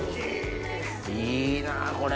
いいなぁこれ。